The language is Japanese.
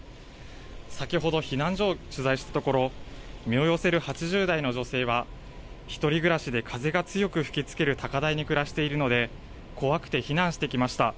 先ほど避難所を取材したところ身を寄せる８０代の女性は１人暮らしで風が強く吹きつける高台に暮らしているので怖くて避難してきました。